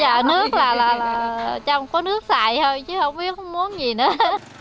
giờ nước là trong có nước sạch thôi chứ không biết muốn gì nữa